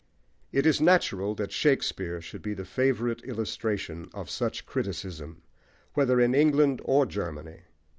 It is natural that Shakespeare should be the favourite illustration of such criticism, whether in England or Germany.